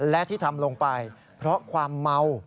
และที่ทำลงไปเพราะความเมา